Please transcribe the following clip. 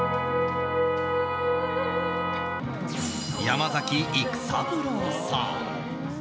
山崎育三郎さん。